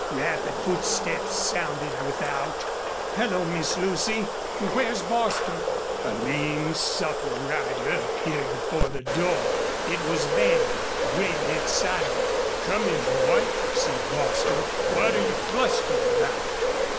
Rapid footsteps sounded without. "Hello, Miss Lucy! Where's Bostil?" A lean, supple rider appeared before the door. It was Van, greatly excited. "Come in, boy," said Bostil. "What're you flustered about?"